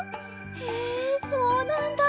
へえそうなんだ。